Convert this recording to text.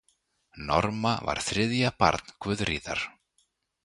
Norma var þriðja barn Guðrýðar.